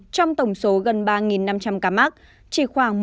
trong tổng số gần ba năm trăm linh ca mắc chỉ khoảng